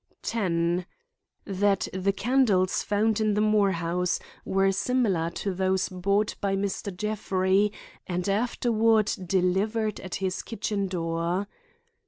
10. That the candles found in the Moore house were similar to those bought by Mr. Jeffrey and afterward delivered at his kitchen door.